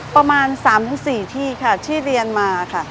ประมาณ๓๔ที่ค่ะที่เรียนมาค่ะ